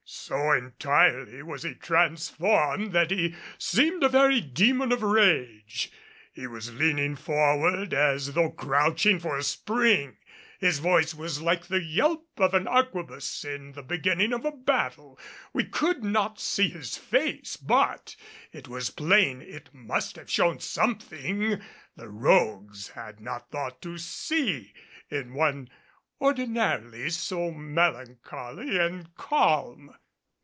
So entirely was he transformed that he seemed a very demon of rage. He was leaning forward as though crouching for a spring. His voice was like the yelp of an arquebus in the beginning of a battle. We could not see his face, but it was plain it must have shown something the rogues had not thought to see in one ordinarily so melancholy and calm.